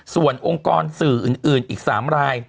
ส่วนองค์กรสื่ออื่นอีก๓ราย